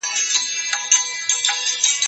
زه مخکي د لوبو لپاره وخت نيولی وو؟